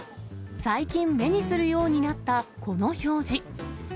最近、目にするようになったこの表示。